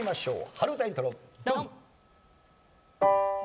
春うたイントロドン！